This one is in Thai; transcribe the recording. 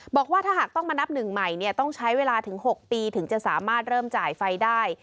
บอกว่าถ้าหากต้องมานับหนึ่งใหม่เนี่ยต้องใช้เวลาถึง๖ปีถึงจะสามารถเริ่มจ่ายไฟได้